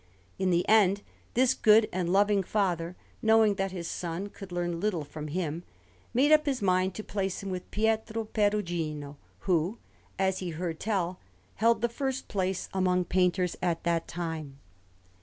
In the end, this good and loving father, knowing that his son could learn little from him, made up his mind to place him with Pietro Perugino, who, as he heard tell, held the first place among painters at that time.